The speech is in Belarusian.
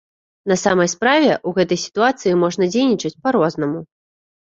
На самай справе, у гэтай сітуацыі можна дзейнічаць па-рознаму.